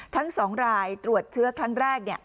ทั้ง๒รายตรวจเชื้อครั้งแรก